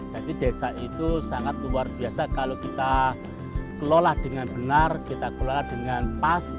jadi desa itu sangat luar biasa kalau kita kelola dengan benar kita kelola dengan pas